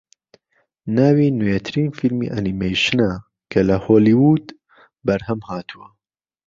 ناوی نوێترین فیلمی ئەنیمەیشنە کە لە هۆلیوود بەرهەمهاتووە